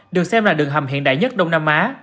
được xem là đường hầm hiện đại nhất đông nam á